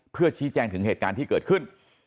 เพื่อชี้แจงถึงเหตุการณ์ที่เกิดขึ้น